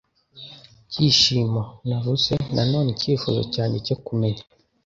byishimo navuze noneho icyifuzo cyanjye cyo kumenya